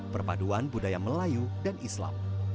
perpaduan budaya melayu dan islam